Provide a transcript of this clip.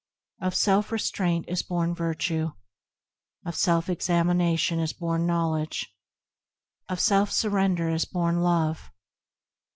Of self restraint is born Virtue, Of self examination is born Knowledge, Of self surrender is born Love.